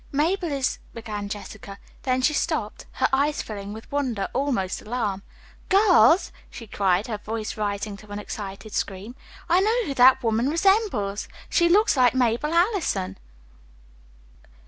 "Mabel is " began Jessica. Then she stopped, her eyes filling with wonder, almost alarm. "Girls," she cried, her voice rising to an excited scream. "I know who that woman resembles! She looks like Mabel Allison."